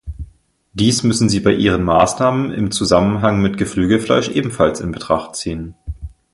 Dies müssen Sie bei Ihren Maßnahmen im Zusammenhang mit Geflügelfleisch ebenfalls in Betracht ziehen.